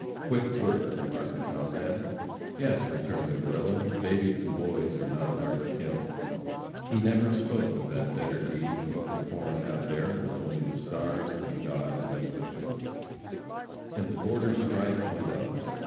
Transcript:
"Quick work," remarked a comrade. "Yes," returned the Guerrilla, "babies and boys are not hard to kill." He never spoke of that better deed he performed out there, with only the stars and God as witnesses. [Illustration: A Deed of Mercy.] And the border strife went on.